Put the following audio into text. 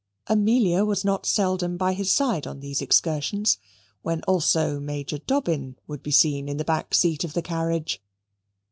Amelia was not seldom by his side on these excursions, when also Major Dobbin would be seen in the back seat of the carriage.